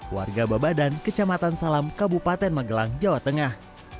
warga babadan kecamatan salam kabupaten magelang jawa tengah